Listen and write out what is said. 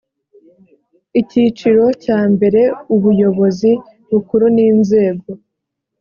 icyiciro cya mbere ubuyobozi bukuru n inzego